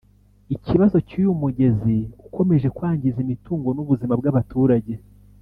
Ikibazo cy’uyu mugezi ukomeje kwangiza imitungo n’ubuzima bw’abaturage